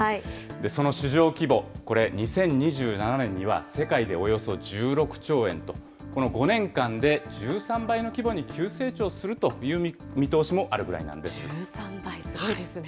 その市場規模、これ２０２７年には世界でおよそ１６兆円と、この５年間で１３倍の規模に急成長するという見通しもあるぐらい１３倍、すごいですね。